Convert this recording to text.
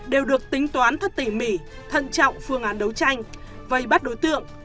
đều được tính toán thật tỉ mỉ thận trọng phương án đấu tranh vây bắt đối tượng